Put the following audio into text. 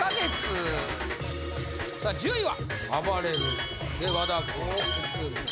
さあ１０位は。